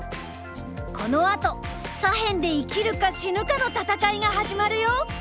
このあと左辺で生きるか死ぬかの戦いが始まるよ。